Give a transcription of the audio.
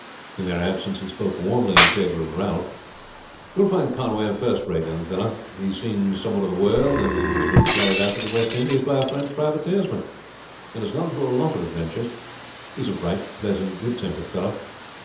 In their absence he spoke warmly in favor of Ralph. "You will find Conway a first rate young fellow. He has seen something of the world, has been carried out to the West Indies by a French privateersman, and has gone through a lot of adventures. He is a bright, pleasant, good tempered fellow.